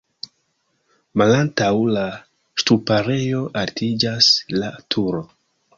Malantaŭ la ŝtuparejo altiĝas la turo.